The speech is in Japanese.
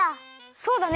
そうだね。